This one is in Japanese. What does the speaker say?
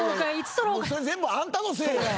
それ全部あんたのせいや。